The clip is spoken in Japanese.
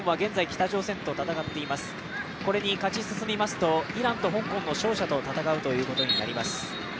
これに勝ち進みますとイランと香港の勝者と戦うことになります。